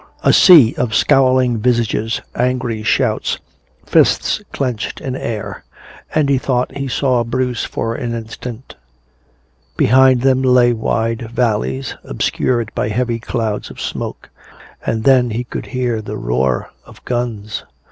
A sea of scowling visages, angry shouts, fists clinched in air. And he thought he saw Bruce for an instant. Behind them lay wide valleys obscured by heavy clouds of smoke, and he could hear the roar of guns.